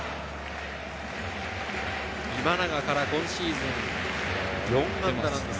今永から今シーズン、４安打です。